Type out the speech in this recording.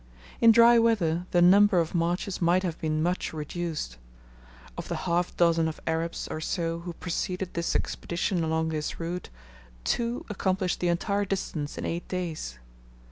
In dry weather the number of marches might have been much reduced. Of the half dozen of Arabs or so who preceded this Expedition along this route, two accomplished the entire distance in eight days.